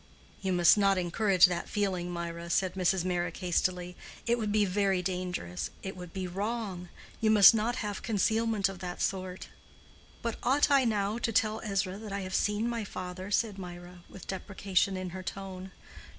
"You must not encourage that feeling, Mirah," said Mrs. Meyrick, hastily. "It would be very dangerous; it would be wrong. You must not have concealment of that sort." "But ought I now to tell Ezra that I have seen my father?" said Mirah, with deprecation in her tone.